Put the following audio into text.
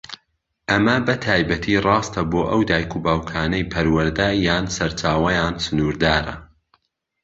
ئەمە بەتایبەتی ڕاستە بۆ ئەو دایک و باوکانەی پەروەردە یان سەرچاوەیان سنوردارە.